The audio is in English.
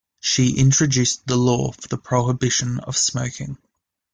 She introduced the law for the prohibition of smoking.